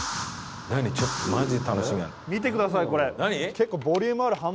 見てくださいこれ。